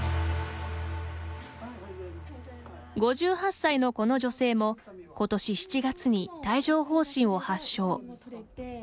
５８歳のこの女性も今年７月に帯状ほう疹を発症。